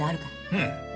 うん。